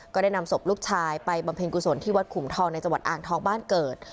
ก็ได้นำศพลูกชายไปบำเพ็ญกุศลที่วัดขุมทองในจังหวัดอ่างทองบ้านเกิด